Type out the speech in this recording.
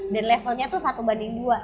dan levelnya tuh satu banding dua